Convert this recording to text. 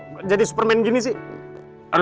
kok jadi superman gini sih